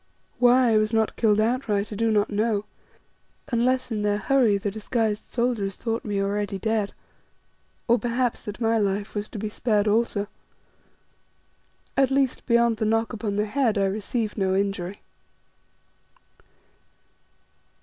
Why I was not killed outright I do not know, unless in their hurry the disguised soldiers thought me already dead, or perhaps that my life was to be spared also. At least, beyond the knock upon the head I received no injury.